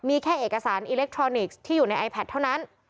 มีแค่เอกสารอิเล็กทรอนิกส์ที่อยู่ในไอแพทเท่านั้น